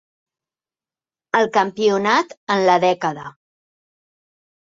El Campionat en la dècada.